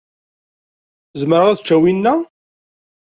Zemreɣ ad ččeɣ winna?